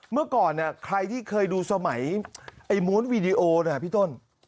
เมื่อก่อนเนี่ยใครที่เคยดูสมัยไอ้ม้วนวีดีโอนะพี่ต้น